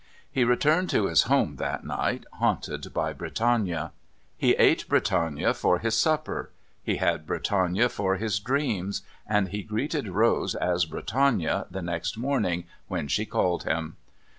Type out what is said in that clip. He returned to his home that night haunted by Britannia. He ate Britannia for his supper; he had Britannia for his dreams; and he greeted Rose as Britannia the next morning when she called him.